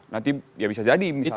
nanti ya bisa jadi misalnya